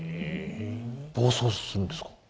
暴走するんですか？